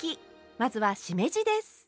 まずはしめじです。